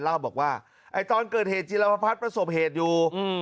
เล่าบอกว่าตอนเกิดเหตุจิรพัฒนประสบเหตุอยู่